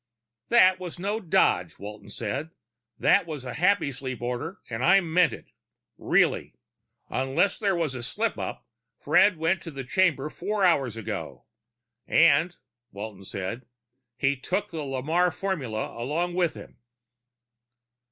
"That was no dodge," Walton said. "That was a Happysleep order, and I meant it. Really. Unless there was a slip up, Fred went to the chamber four hours ago. And," said Walton, "he took the Lamarre formula along with him."